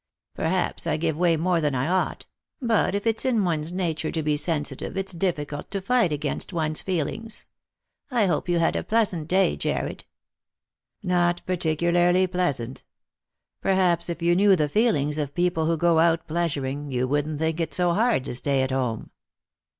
Perhaps I give way more than I ought ; but if it's in one's nature to be sensitive it's difficult to fight against one's feelings. I hope you had a pleasant day, Jarred." " Not particularly pleasant. Perhaps if you knew the feelings of people who go out pleasuring, you wouldn't think it so hard to stay at home."